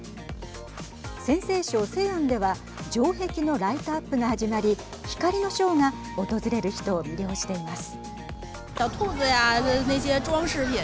陝西省、西安では城壁のライトアップが始まり光のショーが訪れる人を魅了しています。